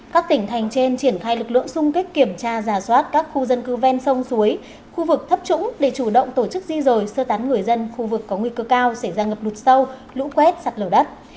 các tỉnh thành trên triển khai lực lượng xung kích kiểm tra giả soát các khu dân cư ven sông suối khu vực thấp trũng để chủ động tổ chức di rời sơ tán người dân khu vực có nguy cơ cao xảy ra ngập lụt sâu lũ quét sạt lở đất